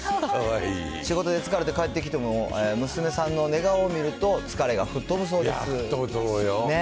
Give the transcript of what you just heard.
仕事で疲れて帰ってきても、娘さんの寝顔を見ると、疲れが吹いや、吹っ飛ぶと思うよ。